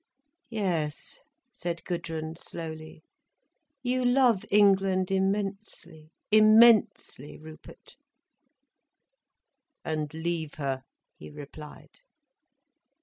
"Yes," said Gudrun slowly, "you love England immensely, immensely, Rupert." "And leave her," he replied.